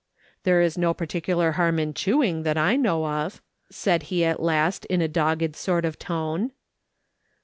"There's no particular harm in chewing that I know of," said he at last in a dogged sort of tone.